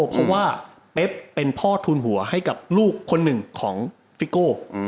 เพราะว่าเป๊บเป็นพ่อทุนหัวให้กับลูกคนหนึ่งของฟิโก้